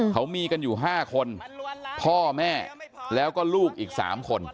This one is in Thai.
เขามีกันอยู่๕คนพ่อแม่แล้วก็ลูกอีก๓คน